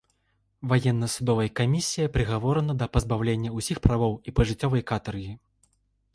Ваенна-судовай камісіяй прыгаворана да пазбаўлення ўсіх правоў і пажыццёвай катаргі.